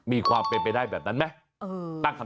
มีความเป็นไปได้แบบนั้นไหม